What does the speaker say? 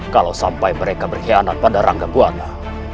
kalau sampai mereka berkhianat pada rangka buana